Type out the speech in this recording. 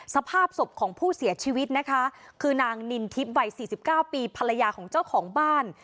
สภาพศพของผู้เสียชีวิตนะคะคือนางนินทิพย์วัย๔๙ปีภรรยาของเจ้าของบ้าน